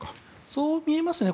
そう見えますね